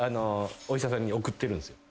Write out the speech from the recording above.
お医者さんに送ってるんですよ。